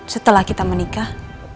setelah kita menikah